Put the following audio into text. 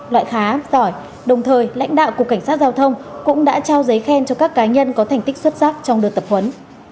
loại khá giỏi đồng thời lãnh đạo cục cảnh sát giao thông cũng đã trao giấy khen cho các cá nhân có thành tích xuất sắc trong đợt tập huấn